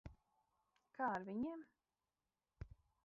Kā ar viņiem?